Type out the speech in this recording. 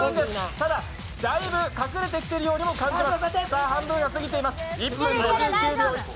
ただ、だいぶ隠れてきているようにも感じます。